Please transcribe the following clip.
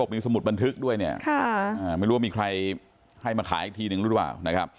บอกว่ามีสมุดบันทึกด้วยเนี่ยไม่รู้ว่ามีใครให้มาขายอีกทีหนึ่งหรือเปล่า